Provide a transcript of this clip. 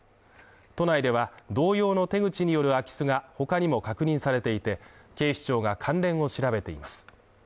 都内では同様の手口による空き巣が、他にも確認されていて、警視庁が関連を調べています。